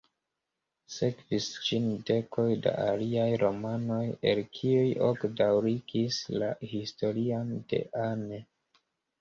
Sekvis ĝin dekoj da aliaj romanoj, el kiuj ok daŭrigis la historion de Anne.